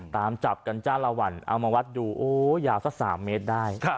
ตามจับกันจ้าละวันเอามาวัดดูโอ้ยาวสัก๓เมตรได้